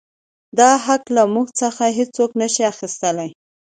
دا حـق لـه مـوږ څـخـه هـېڅوک نـه شـي اخيـستلى.